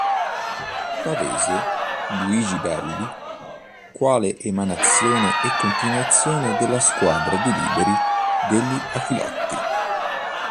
Pavese "Luigi Belli", quale emanazione e continuazione della squadra di liberi degli "Aquilotti".